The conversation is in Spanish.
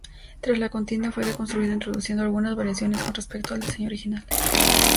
Tras la contienda, fue reconstruido introduciendo algunas variaciones con respecto al diseño original.